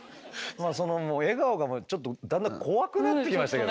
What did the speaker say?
その笑顔がもうちょっとだんだん怖くなってきましたけどね。